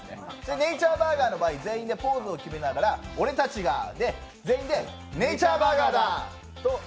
ネイチャーバーガーの場合全員がポーズを決めながら俺たちが、で全員でネイチャーバーガーだと。